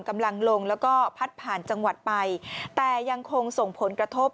กำลังลงแล้วก็พัดผ่านจังหวัดไปแต่ยังคงส่งผลกระทบ